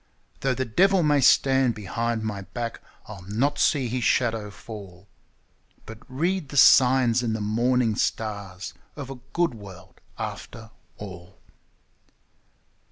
Though the devil may stand behind my back, I'll not see his shadow fall, But read the signs in the morning stars of a good world after all.